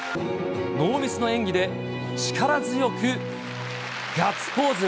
ノーミスの演技で力強くガッツポーズ。